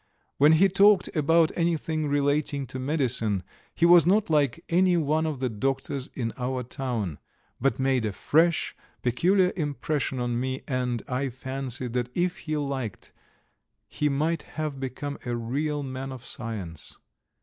When he talked about anything relating to medicine he was not like any one of the doctors in our town, but made a fresh, peculiar impression upon me, and I fancied that if he liked he might have become a real man of science.